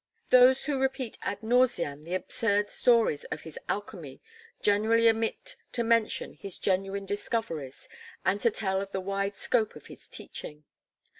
Those who repeat ad nauseam the absurd stories of his alchemy generally omit to mention his genuine discoveries and to tell of the wide scope of his teaching.